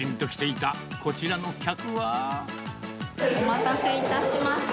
お待たせいたしました。